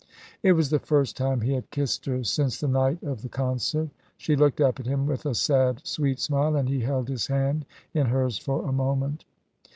It was the first time he had kissed her since the night of the concert. She looked up at him with a sad, sweet smile, and held his hand in hers for a moment.